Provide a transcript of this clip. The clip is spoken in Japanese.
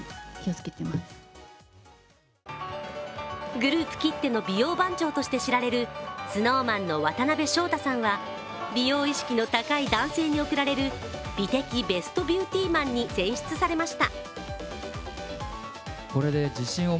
グループきっての美容番長として知られるＳｎｏｗＭａｎの渡辺翔太さんは美容意識の高い男性に贈られる美的ベストビューティマンに選出されました。